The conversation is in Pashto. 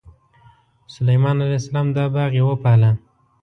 سلیمان علیه السلام دا باغ یې وپاله.